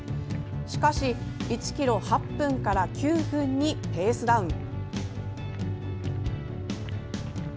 しかし、１ｋｍ８分から９分にペースダウン。